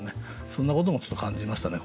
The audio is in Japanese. そんなこともちょっと感じましたね